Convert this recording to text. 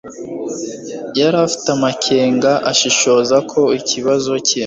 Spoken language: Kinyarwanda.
yari afite amakenga ashishoza ko ikibazo cye